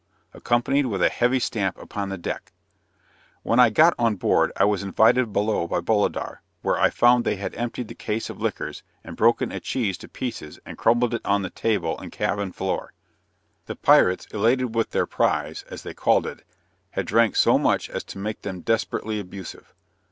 accompanied with a heavy stamp upon the deck. When I got on board, I was invited below by Bolidar, where I found they had emptied the case of liquors, and broken a cheese to pieces and crumbled it on the table and cabin floor; the pirates, elated with their prize (as they called it), had drank so much as to make them desperately abusive.